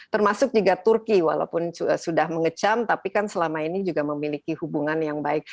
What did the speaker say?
termasuk juga turki walaupun sudah mengecam tapi kan selama ini juga memiliki hubungan yang baik